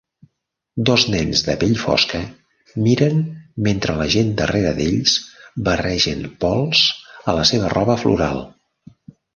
Dos nens de pell fosca miren mentre la gent darrera d'ells barregen pols a la seva roba floral.